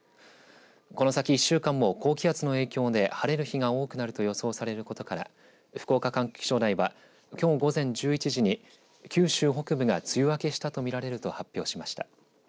この先１週間も高気圧の影響で晴れる日が多くなると予想されることから福岡管区気象台はきょう午前１１時に九州北部が梅雨明けしたと見られると発表しました。